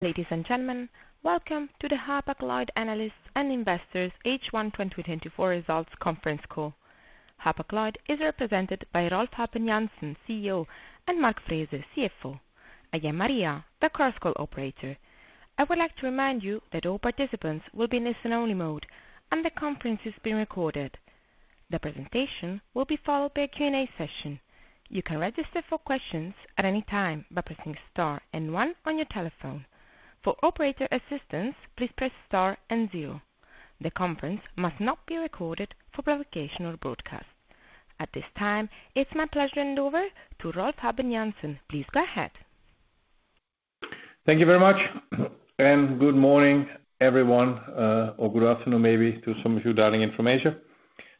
Ladies and gentlemen, welcome to the Hapag-Lloyd Analysts and Investors H1 2024 Results Conference Call. Hapag-Lloyd is represented by Rolf Habben Jansen, CEO, and Mark Frese, CFO. I am Maria, the cross-call operator. I would like to remind you that all participants will be in listen-only mode, and the conference is being recorded. The presentation will be followed by a Q&A session. You can register for questions at any time by pressing star and one on your telephone. For operator assistance, please press star and zero. The conference must not be recorded for publication or broadcast. At this time, it's my pleasure to hand over to Rolf Habben Jansen. Please go ahead. Thank you very much, and good morning, everyone, or good afternoon, maybe, to some of you dialing in from Asia.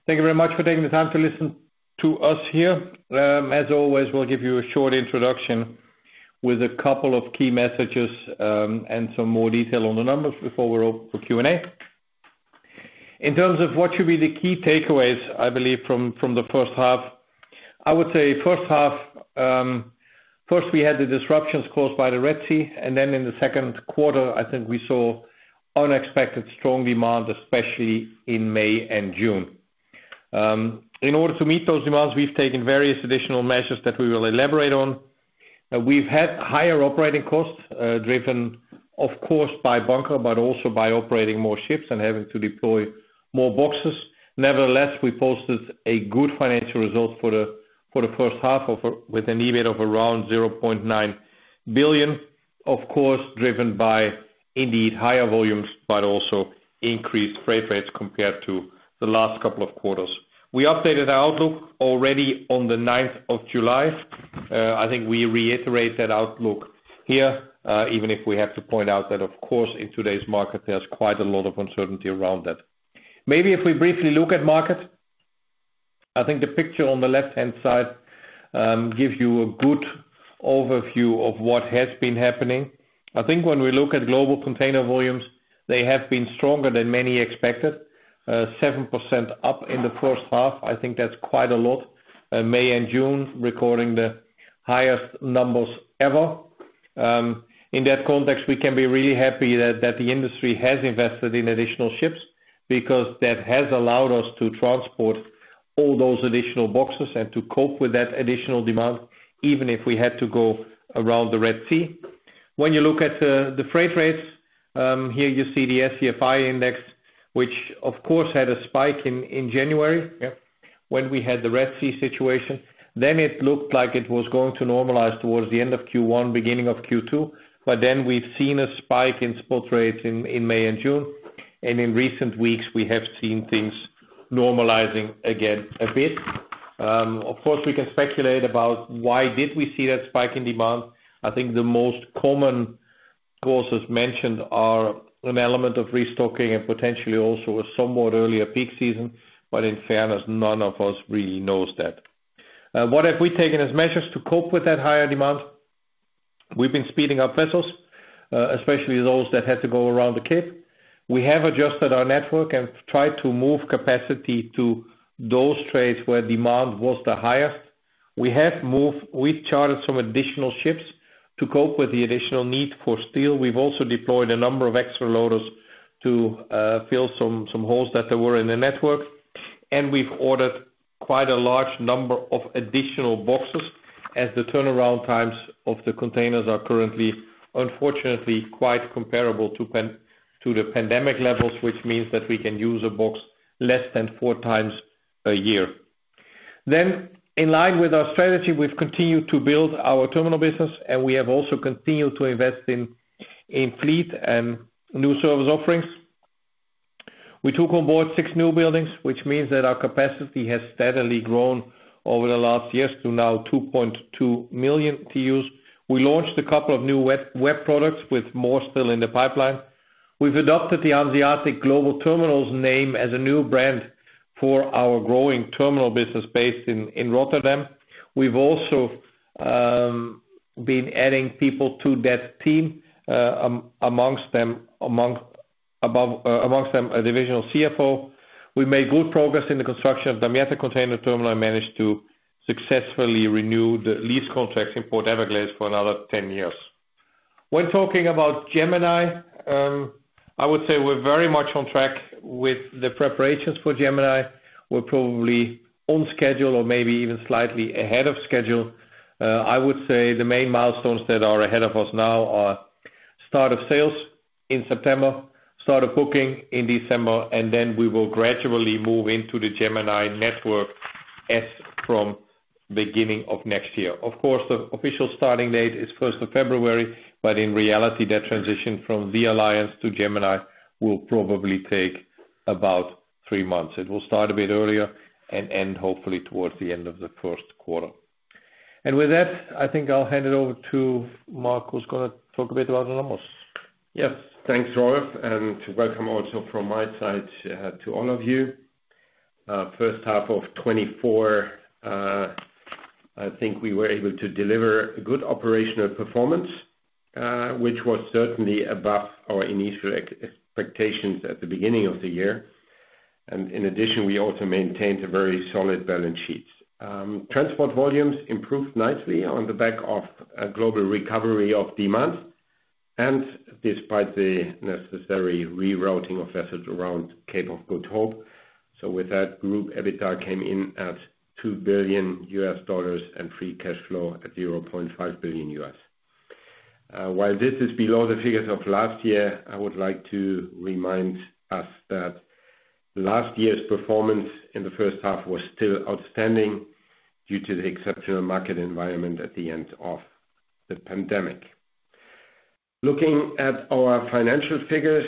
Thank you very much for taking the time to listen to us here. As always, we'll give you a short introduction with a couple of key messages, and some more detail on the numbers before we open for Q&A. In terms of what should be the key takeaways, I believe from the first half, I would say first half, first, we had the disruptions caused by the Red Sea, and then in the second quarter, I think we saw unexpected strong demand, especially in May and June. In order to meet those demands, we've taken various additional measures that we will elaborate on. We've had higher operating costs, driven, of course, by bunker, but also by operating more ships and having to deploy more boxes. Nevertheless, we posted a good financial result for the first half of, with an EBIT of around $0.9 billion, of course, driven by indeed higher volumes, but also increased freight rates compared to the last couple of quarters. We updated our outlook already on the ninth of July. I think we reiterate that outlook here, even if we have to point out that, of course, in today's market, there's quite a lot of uncertainty around that. Maybe if we briefly look at market, I think the picture on the left-hand side gives you a good overview of what has been happening. I think when we look at global container volumes, they have been stronger than many expected. 7% up in the first half. I think that's quite a lot. May and June recording the highest numbers ever. In that context, we can be really happy that, that the industry has invested in additional ships because that has allowed us to transport all those additional boxes and to cope with that additional demand, even if we had to go around the Red Sea. When you look at the freight rates, here you see the SCFI Index, which of course, had a spike in, in January, yeah, when we had the Red Sea situation. Then it looked like it was going to normalize towards the end of Q1, beginning of Q2. But then we've seen a spike in spot rates in, in May and June, and in recent weeks, we have seen things normalizing again a bit. Of course, we can speculate about why did we see that spike in demand? I think the most common causes mentioned are an element of restocking and potentially also a somewhat earlier peak season, but in fairness, none of us really knows that. What have we taken as measures to cope with that higher demand? We've been speeding up vessels, especially those that had to go around the Cape. We have adjusted our network and tried to move capacity to those trades where demand was the highest. We chartered some additional ships to cope with the additional need for steel. We've also deployed a number of extra loaders to fill some holes that there were in the network, and we've ordered quite a large number of additional boxes, as the turnaround times of the containers are currently, unfortunately, quite comparable to pandemic levels, which means that we can use a box less than 4 times a year. In line with our strategy, we've continued to build our terminal business, and we have also continued to invest in fleet and new service offerings. We took on board 6 newbuildings, which means that our capacity has steadily grown over the last years to now 2.2 million TEUs. We launched a couple of new web products with more still in the pipeline. We've adopted the Hanseatic Global Terminals name as a new brand for our growing terminal business based in Rotterdam. We've also been adding people to that team, amongst them, a divisional CFO. We made good progress in the construction of the Damietta Container Terminal, and managed to successfully renew the lease contract in Port Everglades for another 10 years. When talking about Gemini, I would say we're very much on track with the preparations for Gemini. We're probably on schedule or maybe even slightly ahead of schedule. I would say the main milestones that are ahead of us now are start of sales in September, start of booking in December, and then we will gradually move into the Gemini network as from beginning of next year. Of course, the official starting date is first of February, but in reality, that transition from THE Alliance to Gemini will probably take about three months. It will start a bit earlier and end hopefully towards the end of the first quarter. With that, I think I'll hand it over to Mark, who's gonna talk a bit about the numbers. Yes, thanks, Rolf, and welcome also from my side to all of you. First half of 2024, I think we were able to deliver a good operational performance, which was certainly above our initial expectations at the beginning of the year.... And in addition, we also maintained a very solid balance sheet. Transport volumes improved nicely on the back of a global recovery of demand, and despite the necessary rerouting of vessels around Cape of Good Hope. So with that, group EBITDA came in at $2 billion, and free cash flow at $0.5 billion. While this is below the figures of last year, I would like to remind us that last year's performance in the first half was still outstanding due to the exceptional market environment at the end of the pandemic. Looking at our financial figures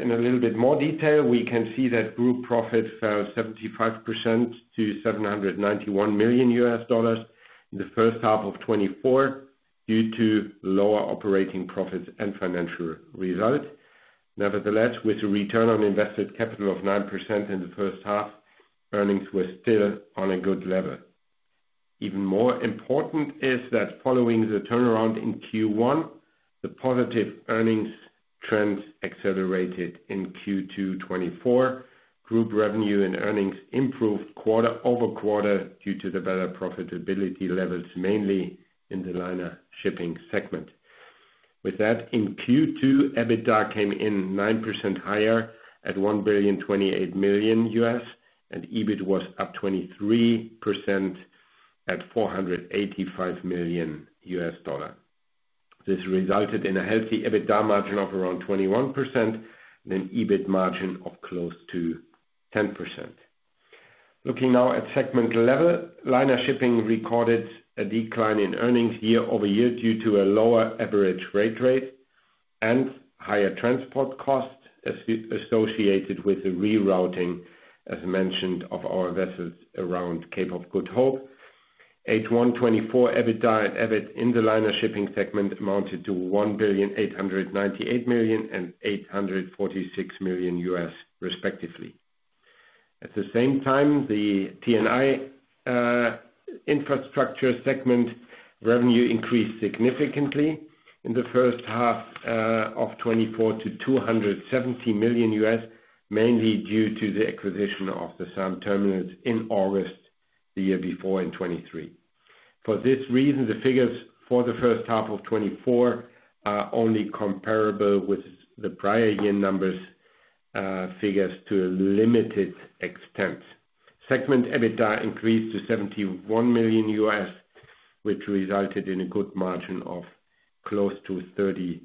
in a little bit more detail, we can see that group profit fell 75% to $791 million in the first half of 2024, due to lower operating profits and financial results. Nevertheless, with a return on invested capital of 9% in the first half, earnings were still on a good level. Even more important is that following the turnaround in Q1, the positive earnings trends accelerated in Q2 2024. Group revenue and earnings improved quarter-over-quarter, due to the better profitability levels, mainly in the liner shipping segment. With that, in Q2, EBITDA came in 9% higher at $1.028 billion, and EBIT was up 23% at $485 million. This resulted in a healthy EBITDA margin of around 21%, and an EBIT margin of close to 10%. Looking now at segment level, liner shipping recorded a decline in earnings year-over-year, due to a lower average freight rate and higher transport costs associated with the rerouting, as mentioned, of our vessels around Cape of Good Hope. H1 2024, EBITDA and EBIT in the liner shipping segment amounted to $1,898 million and $846 million, respectively. At the same time, the T&I infrastructure segment revenue increased significantly in the first half of 2024 to $270 million, mainly due to the acquisition of the SAAM terminals in August the year before, in 2023. For this reason, the figures for the first half of 2024 are only comparable with the prior year numbers, figures to a limited extent. Segment EBITDA increased to $71 million, which resulted in a good margin of close to 33%.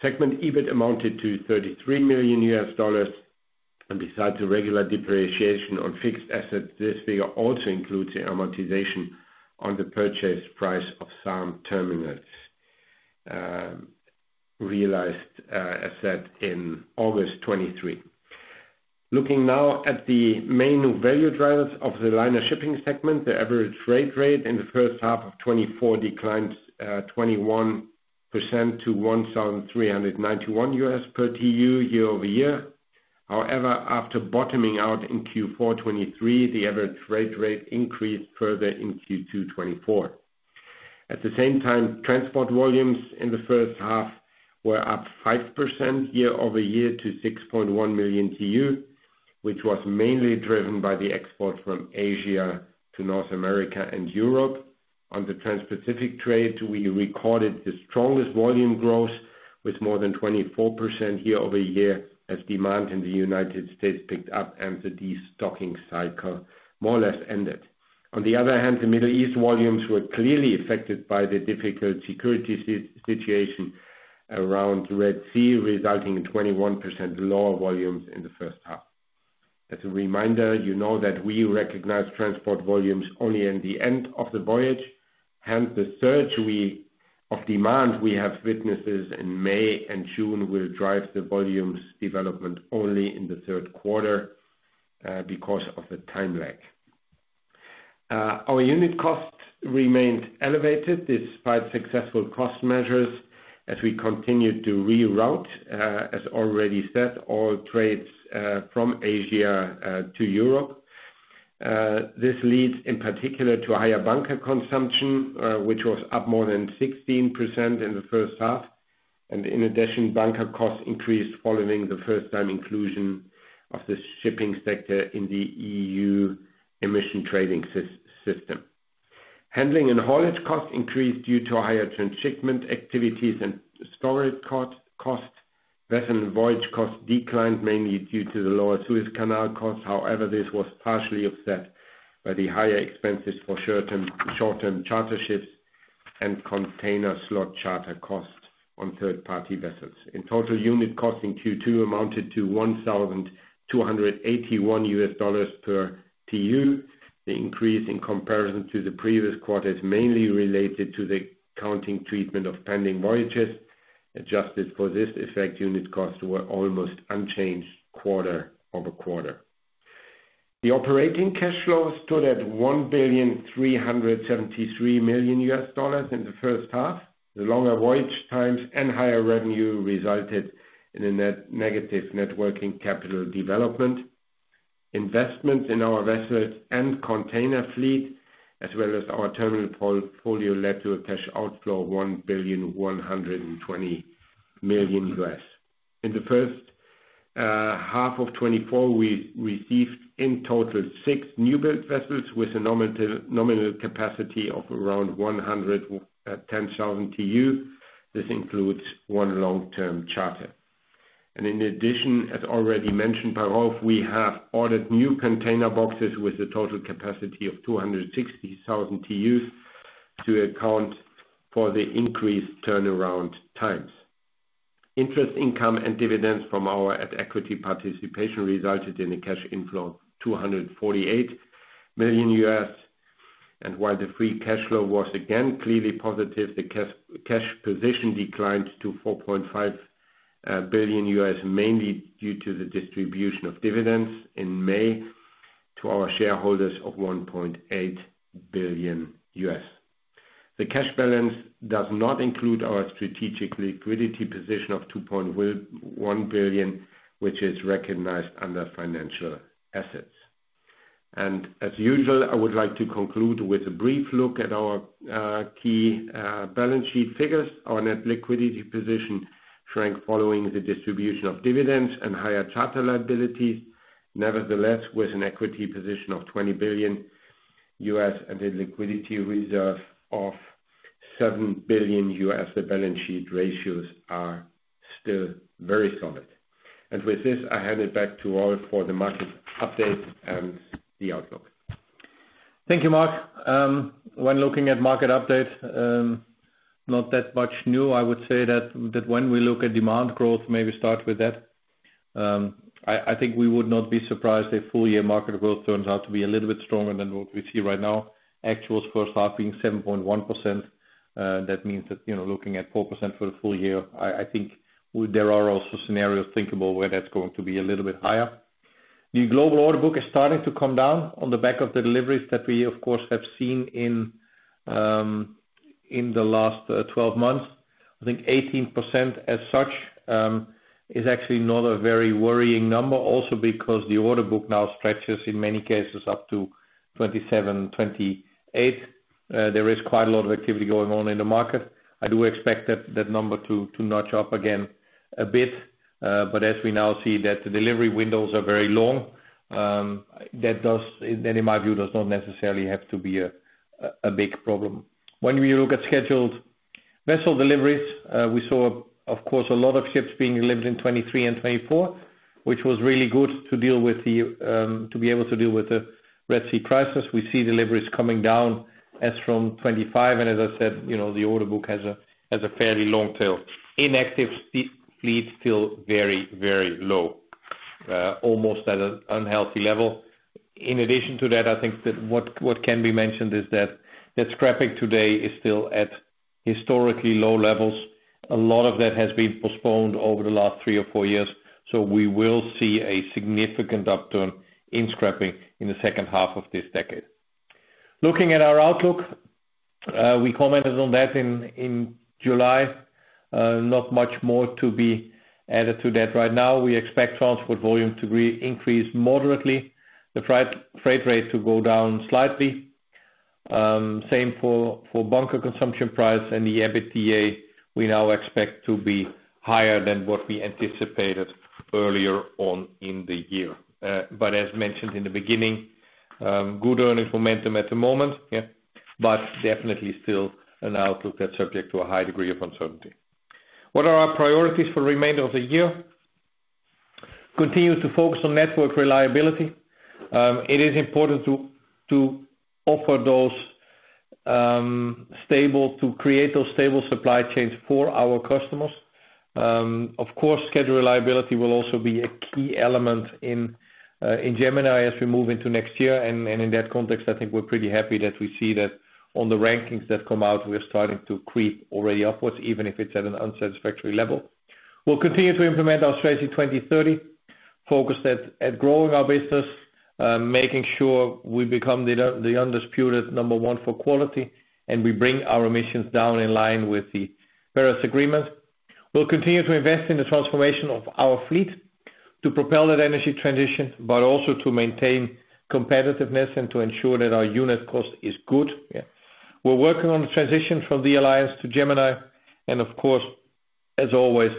Segment EBIT amounted to $33 million, and besides the regular depreciation on fixed assets, this figure also includes the amortization on the purchase price of SAAM terminals, realized as at August 2023. Looking now at the main value drivers of the liner shipping segment, the average freight rate in the first half of 2024 declined 21% to $1,391 per TEU, year-over-year. However, after bottoming out in Q4 2023, the average freight rate increased further in Q2 2024. At the same time, transport volumes in the first half were up 5% year-over-year to 6.1 million TEU, which was mainly driven by the export from Asia to North America and Europe. On the Transpacific trade, we recorded the strongest volume growth with more than 24% year-over-year, as demand in the United States picked up and the destocking cycle more or less ended. On the other hand, the Middle East volumes were clearly affected by the difficult security situation around Red Sea, resulting in 21% lower volumes in the first half. As a reminder, you know that we recognize transport volumes only in the end of the voyage, hence, the surge of demand we have witnessed in May and June, will drive the volumes development only in the third quarter, because of the time lag. Our unit costs remained elevated despite successful cost measures, as we continued to reroute, as already said, all trades from Asia to Europe. This leads in particular to higher bunker consumption, which was up more than 16% in the first half. And in addition, bunker costs increased following the first time inclusion of the shipping sector in the EU Emissions Trading System. Handling and haulage costs increased due to higher transshipment activities and storage costs. Vessel and voyage costs declined, mainly due to the lower Suez Canal costs. However, this was partially offset by the higher expenses for short-term charter ships and container slot charter costs on third-party vessels. In total, unit costs in Q2 amounted to $1,281 per TEU. The increase in comparison to the previous quarter is mainly related to the accounting treatment of pending voyages. Adjusted for this effect, unit costs were almost unchanged quarter-over-quarter. The operating cash flow stood at $1,373 million in the first half. The longer voyage times and higher revenue resulted in a net negative net working capital development. Investment in our vessels and container fleet, as well as our terminal portfolio, led to a cash outflow of $1,120 million. In the first half of 2024, we received in total 6 newbuild vessels with a nominal, nominal capacity of around 110,000 TEU. This includes one long-term charter. And in addition, as already mentioned by Rolf, we have ordered new container boxes with a total capacity of 260,000 TEUs to account for the increased turnaround times. Interest income and dividends from our at equity participation resulted in a cash inflow of $248 million. And while the free cash flow was again clearly positive, the cash position declined to $4.5 billion, mainly due to the distribution of dividends in May to our shareholders of $1.8 billion. The cash balance does not include our strategic liquidity position of $2.1 billion, which is recognized under financial assets. And as usual, I would like to conclude with a brief look at our key balance sheet figures. Our net liquidity position shrank following the distribution of dividends and higher charter liabilities. Nevertheless, with an equity position of $20 billion and a liquidity reserve of $7 billion, the balance sheet ratios are still very solid. And with this, I hand it back to Rolf for the market update and the outlook. Thank you, Mark. When looking at market update, not that much new. I would say that when we look at demand growth, maybe start with that. I think we would not be surprised if full year market growth turns out to be a little bit stronger than what we see right now. Actuals first half being 7.1%. That means that, you know, looking at 4% for the full year, I think there are also scenarios thinkable where that's going to be a little bit higher. The global order book is starting to come down on the back of the deliveries that we, of course, have seen in the last 12 months. I think 18% as such is actually not a very worrying number, also because the order book now stretches, in many cases, up to 27, 28. There is quite a lot of activity going on in the market. I do expect that number to notch up again a bit, but as we now see that the delivery windows are very long, that does... That, in my view, does not necessarily have to be a big problem. When we look at scheduled vessel deliveries, we saw, of course, a lot of ships being delivered in 2023 and 2024, which was really good to deal with the to be able to deal with the Red Sea crisis. We see deliveries coming down as from 2025, and as I said, you know, the order book has a fairly long tail. Inactive fleet, fleet still very, very low, almost at an unhealthy level. In addition to that, I think that what, what can be mentioned is that the scrapping today is still at historically low levels. A lot of that has been postponed over the last three or four years, so we will see a significant upturn in scrapping in the second half of this decade. Looking at our outlook, we commented on that in, in July. Not much more to be added to that. Right now, we expect transport volume to increase moderately, the freight rate to go down slightly. Same for, for bunker consumption price and the EBITDA, we now expect to be higher than what we anticipated earlier on in the year. But as mentioned in the beginning, good earning momentum at the moment, yeah, but definitely still an outlook that's subject to a high degree of uncertainty. What are our priorities for the remainder of the year? Continue to focus on network reliability. It is important to offer those stable, to create those stable supply chains for our customers. Of course, schedule reliability will also be a key element in Gemini as we move into next year. And in that context, I think we're pretty happy that we see that on the rankings that come out, we're starting to creep already upwards, even if it's at an unsatisfactory level. We'll continue to implement our Strategy 2030, focused on growing our business, making sure we become the undisputed number one for quality, and we bring our emissions down in line with the Paris Agreement. We'll continue to invest in the transformation of our fleet to propel that energy transition, but also to maintain competitiveness and to ensure that our unit cost is good. Yeah. We're working on the transition from THE Alliance to Gemini, and of course, as always,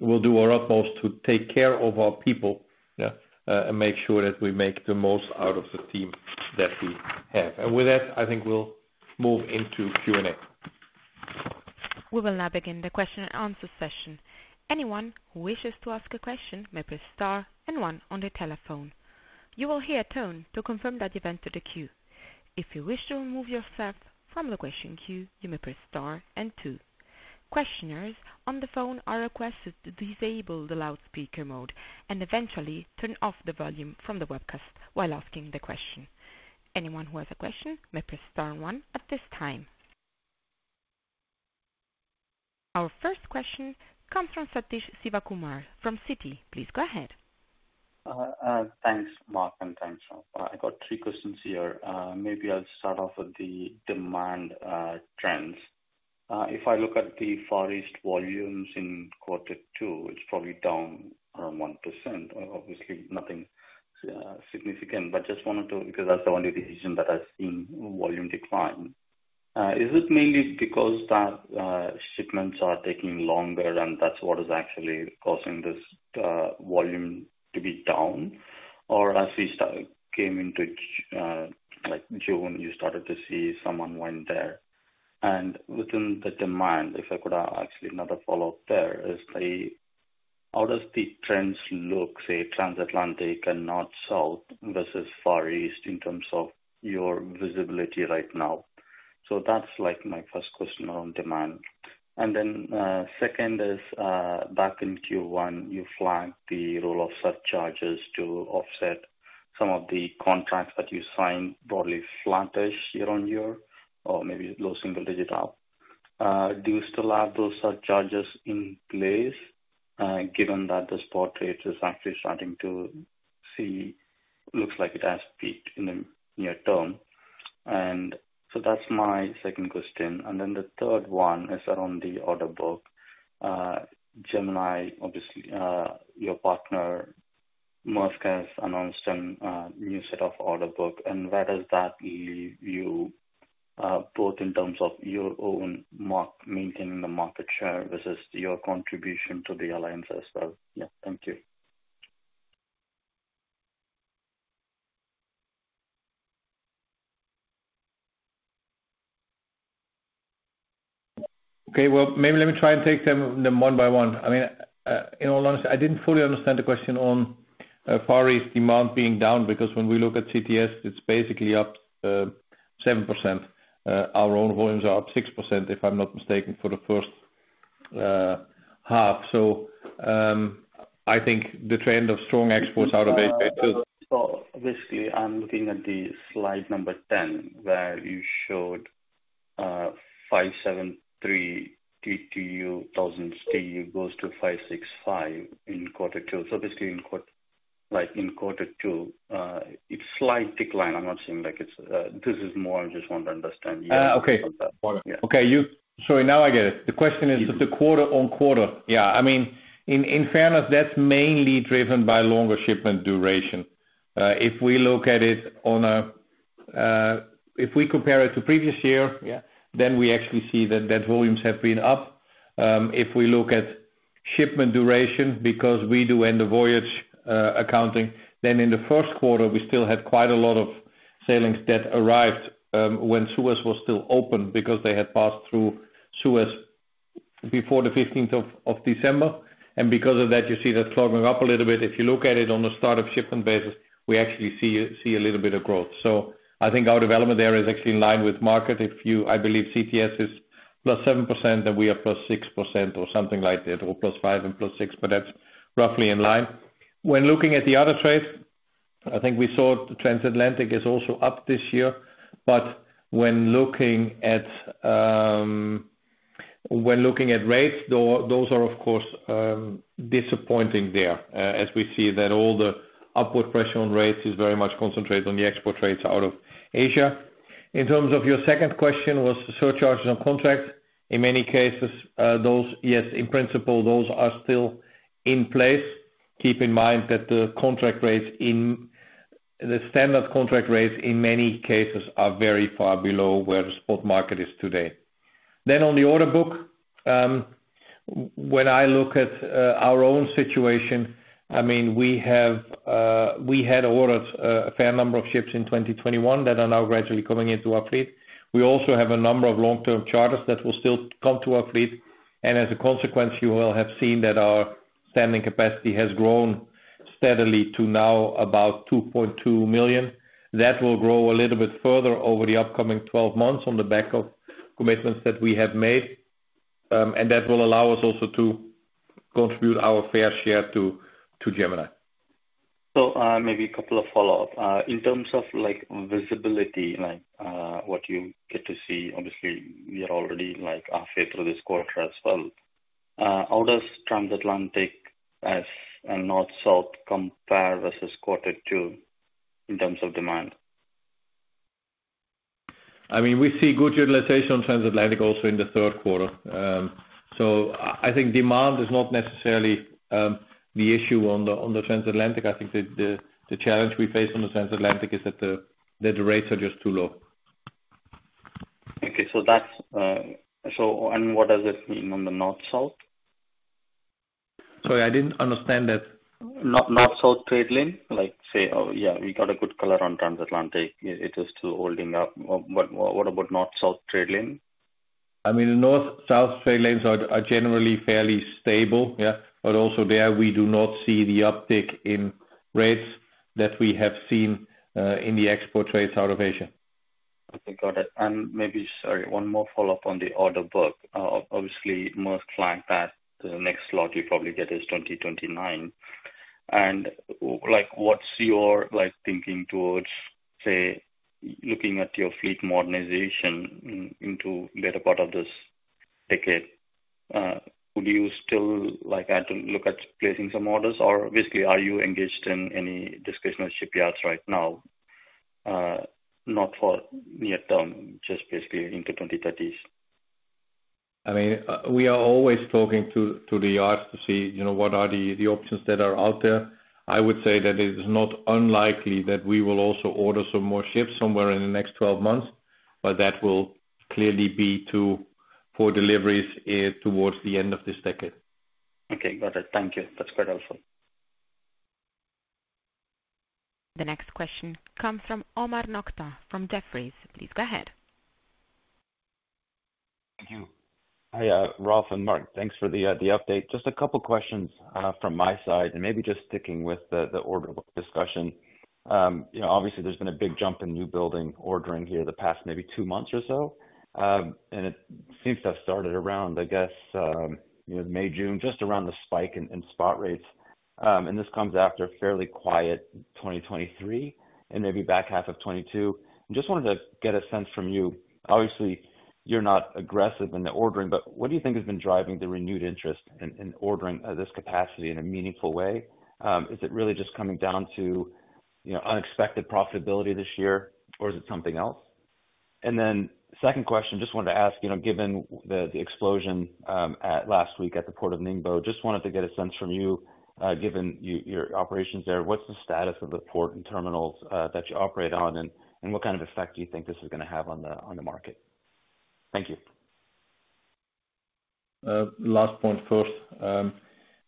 we'll do our utmost to take care of our people, yeah, and make sure that we make the most out of the team that we have. With that, I think we'll move into Q&A. We will now begin the question-and-answer session. Anyone who wishes to ask a question may press star and one on their telephone. You will hear a tone to confirm that you've entered the queue. If you wish to remove yourself from the question queue, you may press star and two. Questioners on the phone are requested to disable the loudspeaker mode and eventually turn off the volume from the webcast while asking the question. Anyone who has a question may press star and one at this time. Our first question comes from Satish Sivakumar from Citi. Please go ahead. Thanks, Mark, and thanks, Rolf. I got three questions here. Maybe I'll start off with the demand trends. If I look at the Far East volumes in quarter two, it's probably down around 1%. Obviously, nothing significant, but just wanted to, because that's the only region that I've seen volume decline. Is it mainly because that shipments are taking longer, and that's what is actually causing this volume to be down? Or as we start, came into ch- like June, you started to see someone went there. And within the demand, if I could ask actually another follow-up there, is the, how does the trends look, say, Transatlantic and North-South versus Far East in terms of your visibility right now? So that's, like, my first question on demand. And then, second is, back in Q1, you flagged the role of surcharges to offset some of the contracts that you signed, broadly flattish year-on-year or maybe low single-digit up. Do you still have those surcharges in place, given that the spot rates is actually starting to see, looks like it has peaked in the near term? And so that's my second question. And then the third one is around the order book. Gemini, obviously, your partner, Maersk, has announced some, new set of order book. And where does that leave you, both in terms of your own maintaining the market share versus your contribution to THE Alliance as well? Yeah. Thank you. Okay, well, maybe let me try and take them one by one. I mean, in all honesty, I didn't fully understand the question on Far East demand being down, because when we look at CTS, it's basically up 7%. Our own volumes are up 6%, if I'm not mistaken, for the first half. So, I think the trend of strong exports out of Asia- So basically, I'm looking at the slide number 10, where you showed 573 thousand TEU, goes to 565 in quarter two. So basically in quarter—like, in quarter two, it's slight decline. I'm not saying, like, it's... This is more, I just want to understand your- Uh, okay. Yeah. Okay. Sorry, now I get it. The question is the quarter-over-quarter. Yeah. I mean, in fairness, that's mainly driven by longer shipment duration. If we look at it on a, if we compare it to previous year- Yeah. Then we actually see that that volumes have been up. If we look at shipment duration, because we do end the voyage accounting, then in the first quarter we still had quite a lot of sailings that arrived when Suez was still open because they had passed through Suez before the fifteenth of December. And because of that, you see that clogging up a little bit. If you look at it on a start of shipment basis, we actually see a little bit of growth. So I think our development there is actually in line with market. I believe CTS is +7%, and we are +6% or something like that, or +5% and +6%, but that's roughly in line. When looking at the other trades, I think we saw Transatlantic is also up this year, but when looking at rates, those are of course disappointing there, as we see that all the upward pressure on rates is very much concentrated on the export rates out of Asia. In terms of your second question, was the surcharges on contract. In many cases, those, yes, in principle, those are still in place. Keep in mind that the contract rates in the standard contract rates, in many cases, are very far below where the spot market is today. Then on the order book, when I look at our own situation, I mean, we have, we had ordered a fair number of ships in 2021 that are now gradually coming into our fleet. We also have a number of long-term charters that will still come to our fleet, and as a consequence, you will have seen that our standing capacity has grown steadily to now about 2.2 million. That will grow a little bit further over the upcoming 12 months on the back of commitments that we have made, and that will allow us also to contribute our fair share to Gemini. So, maybe a couple of follow-ups. In terms of, like, visibility, like, what you get to see, obviously, we are already, like, halfway through this quarter as well. How does Transatlantic and North-South compare versus quarter two in terms of demand? I mean, we see good utilization on Transatlantic also in the third quarter. So I think demand is not necessarily the issue on the Transatlantic. I think the challenge we face on the Transatlantic is that the rates are just too low. Okay, so that's. And what does it mean on the North-South? Sorry, I didn't understand that. North-South trade lane, like, say, oh, yeah, we got a good color on Transatlantic. It is still holding up. But what, what about North-South trade lane? I mean, the North-South trade lanes are generally fairly stable. Yeah. But also there, we do not see the uptick in rates that we have seen in the export trades out of Asia. Okay, got it. And maybe, sorry, one more follow-up on the order book. Obviously, Maersk flagged that the next slot you'll probably get is 2029. And like, what's your, like, thinking towards, say, looking at your fleet modernization into better part of this decade? Would you still, like, add to look at placing some orders, or basically, are you engaged in any discussion with shipyards right now?... not for near term, just basically into 2030s. I mean, we are always talking to the yards to see, you know, what are the options that are out there. I would say that it is not unlikely that we will also order some more ships somewhere in the next 12 months, but that will clearly be to, for deliveries, towards the end of this decade. Okay, got it. Thank you. That's quite helpful. The next question comes from Omar Nokta from Jefferies. Please go ahead. Thank you. Hi, Rolf and Mark, thanks for the update. Just a couple questions from my side, and maybe just sticking with the order book discussion. You know, obviously there's been a big jump in newbuilding ordering here the past maybe two months or so. And it seems to have started around, I guess, you know, May, June, just around the spike in spot rates. And this comes after a fairly quiet 2023 and maybe back half of 2022. Just wanted to get a sense from you. Obviously, you're not aggressive in the ordering, but what do you think has been driving the renewed interest in ordering this capacity in a meaningful way? Is it really just coming down to, you know, unexpected profitability this year, or is it something else? And then second question, just wanted to ask, you know, given the explosion last week at the port of Ningbo, just wanted to get a sense from you, given your operations there, what's the status of the port and terminals that you operate on? And what kind of effect do you think this is gonna have on the market? Thank you. Last point first.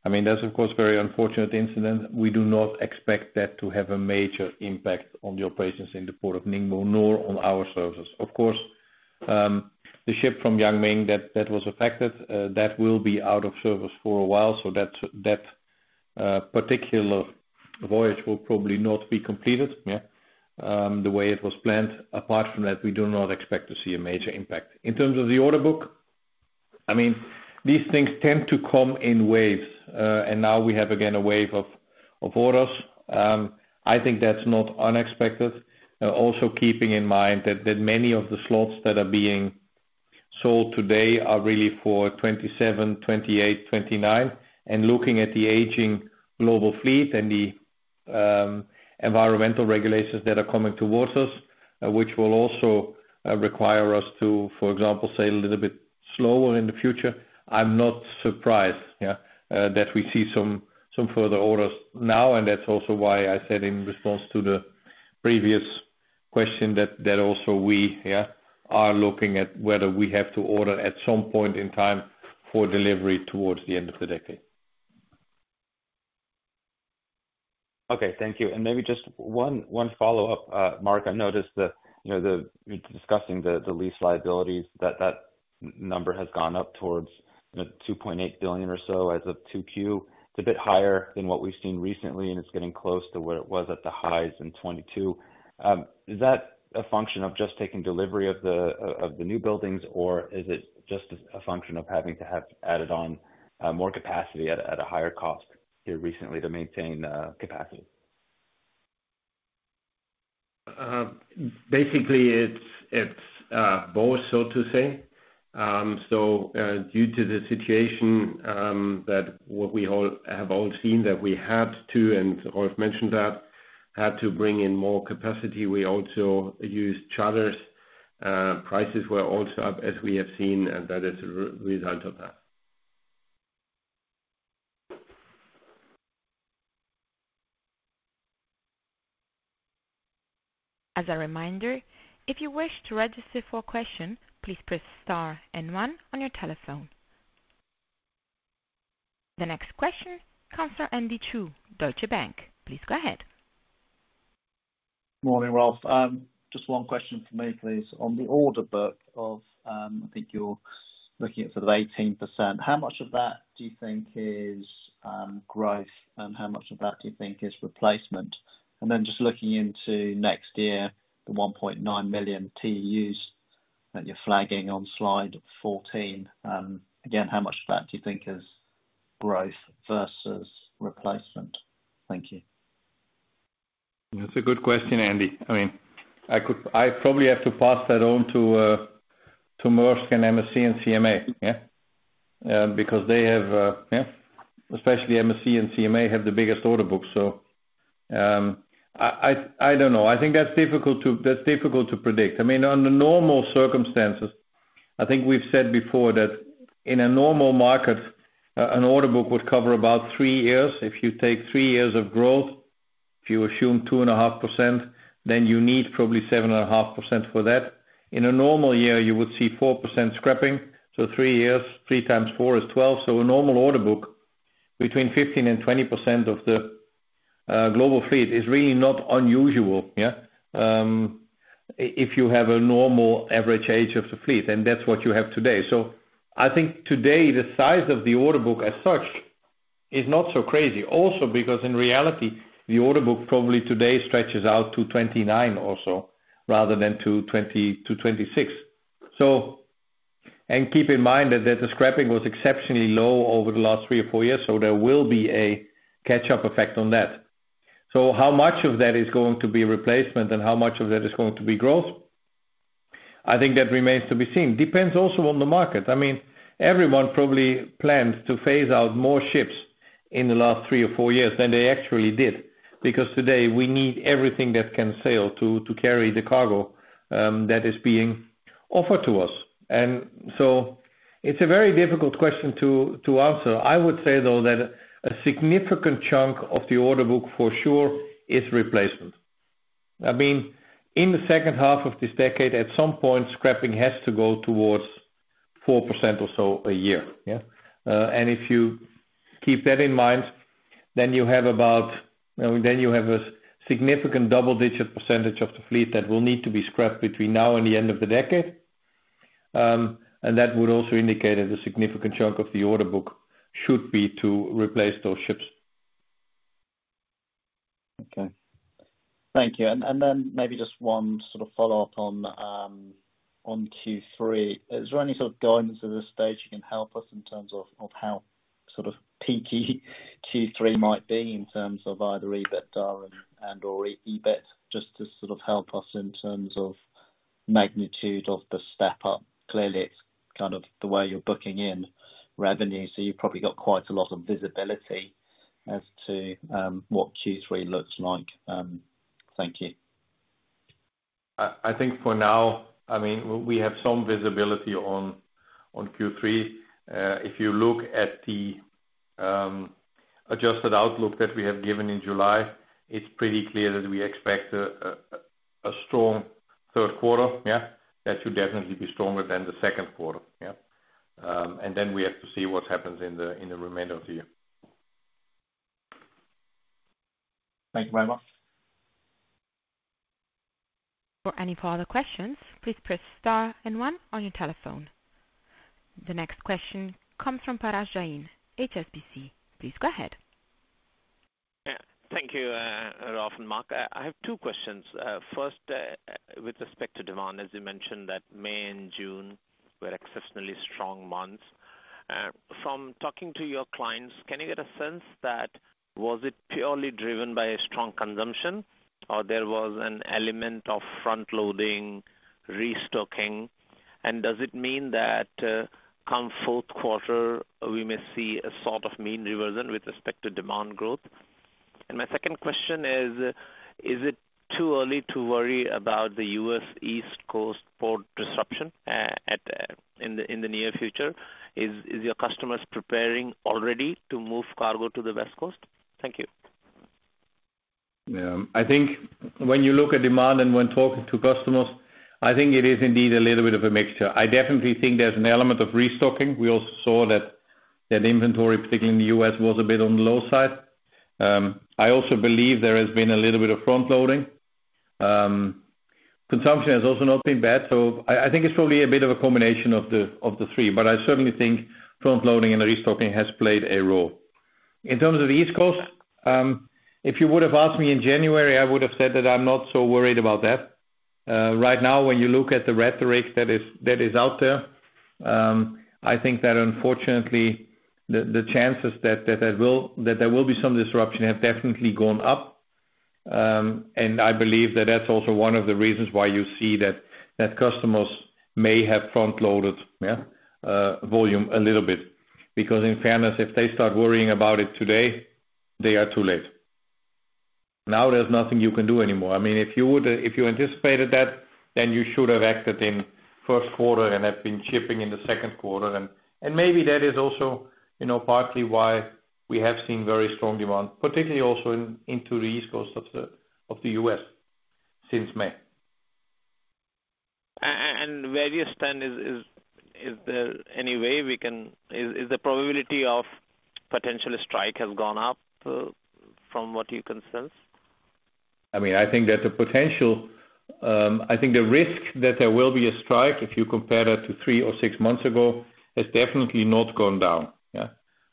I mean, that's, of course, very unfortunate incident. We do not expect that to have a major impact on the operations in the port of Ningbo, nor on our services. Of course, the ship from Yang Ming that was affected will be out of service for a while, so that particular voyage will probably not be completed, yeah, the way it was planned. Apart from that, we do not expect to see a major impact. In terms of the order book, I mean, these things tend to come in waves, and now we have, again, a wave of orders. I think that's not unexpected. Also keeping in mind that many of the slots that are being sold today are really for 2027, 2028, 2029. And looking at the aging global fleet and the environmental regulations that are coming towards us, which will also require us to, for example, sail a little bit slower in the future, I'm not surprised, yeah, that we see some further orders now. And that's also why I said in response to the previous question that we also, yeah, are looking at whether we have to order at some point in time for delivery towards the end of the decade. Okay, thank you. And maybe just one follow-up. Mark, I noticed that, you know, the lease liabilities, that that number has gone up towards $2.8 billion or so as of 2Q. It's a bit higher than what we've seen recently, and it's getting close to where it was at the highs in 2022. Is that a function of just taking delivery of the newbuildings, or is it just a function of having to have added on more capacity at a higher cost here recently to maintain capacity? Basically, it's both, so to say. So, due to the situation that what we all have all seen, that we had to, and Rolf mentioned that, had to bring in more capacity, we also used charters. Prices were also up, as we have seen, and that is a result of that. As a reminder, if you wish to register for a question, please press star and one on your telephone. The next question comes from Andy Chu, Deutsche Bank. Please go ahead. Morning, Rolf. Just one question for me, please. On the order book of, I think you're looking at sort of 18%, how much of that do you think is growth, and how much of that do you think is replacement? And then just looking into next year, the 1.9 million TEUs that you're flagging on slide 14, again, how much of that do you think is growth versus replacement? Thank you. That's a good question, Andy. I mean, I could, I probably have to pass that on to, to Maersk and MSC and CMA, yeah. Because they have, yeah, especially MSC and CMA, have the biggest order books. So, I don't know. I think that's difficult to predict. I mean, under normal circumstances, I think we've said before that in a normal market, an order book would cover about 3 years. If you take 3 years of growth, if you assume 2.5%, then you need probably 7.5% for that. In a normal year, you would see 4% scrapping, so 3 years, 3 times 4 is 12. So a normal order book between 15%-20% of the global fleet is really not unusual. If you have a normal average age of the fleet, and that's what you have today. So I think today, the size of the order book as such is not so crazy. Also, because in reality, the order book probably today stretches out to 29 or so, rather than to 20, to 26. And keep in mind that the scrapping was exceptionally low over the last 3 or 4 years, so there will be a catch-up effect on that. So how much of that is going to be replacement and how much of that is going to be growth? I think that remains to be seen. Depends also on the market. I mean, everyone probably planned to phase out more ships in the last three or four years than they actually did, because today we need everything that can sail to carry the cargo that is being offered to us. And so it's a very difficult question to answer. I would say, though, that a significant chunk of the order book, for sure, is replacement. I mean, in the second half of this decade, at some point, scrapping has to go towards 4% or so a year. Yeah. And if you keep that in mind, then you have a significant double-digit % of the fleet that will need to be scrapped between now and the end of the decade. And that would also indicate that a significant chunk of the order book should be to replace those ships. Okay. Thank you. And, and then maybe just one sort of follow-up on, on Q3. Is there any sort of guidance at this stage you can help us in terms of, of how sort of peaky Q3 might be in terms of either EBITDA and/or EBIT, just to sort of help us in terms of magnitude of the step up? Clearly, it's kind of the way you're booking in revenue, so you've probably got quite a lot of visibility as to, what Q3 looks like. Thank you. I think for now, I mean, we have some visibility on Q3. If you look at the adjusted outlook that we have given in July, it's pretty clear that we expect a strong third quarter, yeah. That should definitely be stronger than the second quarter, yeah. And then we have to see what happens in the remainder of the year. Thank you very much. For any further questions, please press star and one on your telephone. The next question comes from Parag Jain, HSBC. Please go ahead. Yeah. Thank you, Rolf and Mark. I have two questions. First, with respect to demand, as you mentioned, that May and June were exceptionally strong months. From talking to your clients, can you get a sense that was it purely driven by a strong consumption, or there was an element of front-loading, restocking? And does it mean that, come fourth quarter, we may see a sort of mean reversion with respect to demand growth? And my second question is, is it too early to worry about the U.S. East Coast port disruption, in the near future? Is your customers preparing already to move cargo to the West Coast? Thank you. Yeah. I think when you look at demand and when talking to customers, I think it is indeed a little bit of a mixture. I definitely think there's an element of restocking. We also saw that, that inventory, particularly in the U.S., was a bit on the low side. I also believe there has been a little bit of front-loading. Consumption has also not been bad, so I, I think it's probably a bit of a combination of the, of the three, but I certainly think front-loading and the restocking has played a role. In terms of the East Coast, if you would have asked me in January, I would have said that I'm not so worried about that. Right now, when you look at the rhetoric that is out there, I think that unfortunately, the chances that there will be some disruption have definitely gone up. And I believe that that's also one of the reasons why you see that customers may have front-loaded yeah volume a little bit. Because in fairness, if they start worrying about it today, they are too late. Now, there's nothing you can do anymore. I mean, if you anticipated that, then you should have acted in first quarter and have been shipping in the second quarter. And maybe that is also, you know, partly why we have seen very strong demand, particularly also into the East Coast of the U.S. since May. And where do you stand, is there any way we can...? Is the probability of potential strike has gone up, from what you can sense? I mean, I think that the potential, I think the risk that there will be a strike, if you compare that to 3 or 6 months ago, has definitely not gone down.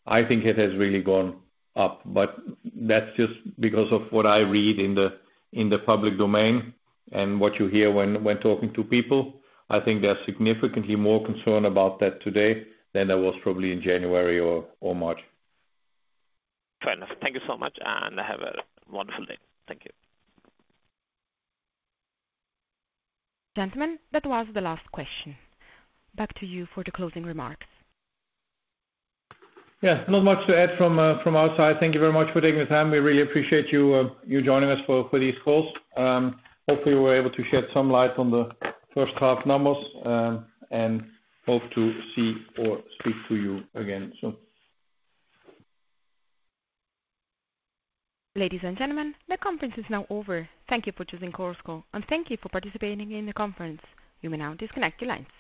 Yeah. I think it has really gone up, but that's just because of what I read in the, in the public domain and what you hear when, when talking to people. I think they're significantly more concerned about that today than there was probably in January or, or March. Fair enough. Thank you so much, and have a wonderful day. Thank you. Gentlemen, that was the last question. Back to you for the closing remarks. Yeah. Not much to add from our side. Thank you very much for taking the time. We really appreciate you joining us for these calls. Hopefully, we were able to shed some light on the first half numbers, and hope to see or speak to you again soon. Ladies and gentlemen, the conference is now over. Thank you for choosing Chorus Call, and thank you for participating in the conference. You may now disconnect your lines.